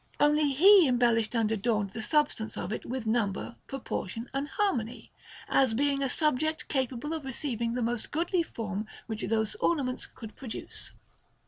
Only he embellished and adorned the substance of it with number, proportion, and harmony ; as being a subject capable of receiving the most goodly form which those ornaments could produce.